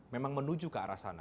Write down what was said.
memang menuju ke arah sana